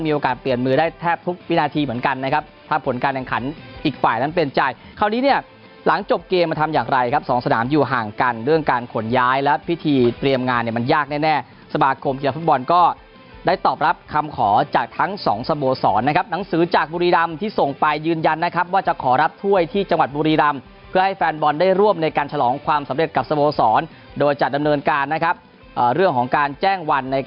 ย้ายแล้วพิธีเตรียมงานเนี่ยมันยากแน่แน่สมาคมเกียรติฟุตบอลก็ได้ตอบรับคำขอจากทั้งสองสมสอนนะครับหนังสือจากบุรีรำที่ส่งไปยืนยันนะครับว่าจะขอรับถ้วยที่จังหวัดบุรีรำเพื่อให้แฟนบอลได้ร่วมในการฉลองความสำเร็จกับสมสอนโดยจัดดำเนินการนะครับเอ่อเรื่องของการแจ้งวันใน